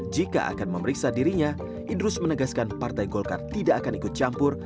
jika akan memeriksa dirinya idrus menegaskan partai golkar tidak akan ikut campur